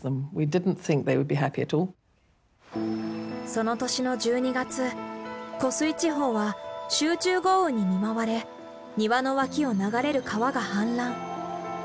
その年の１２月湖水地方は集中豪雨に見舞われ庭の脇を流れる川が氾濫。